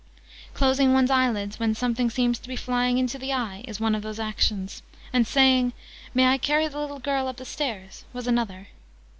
Closing one's eyelids, when something seems to be flying into the eye, is one of those actions, and saying "May I carry the little girl up the stairs?" was another.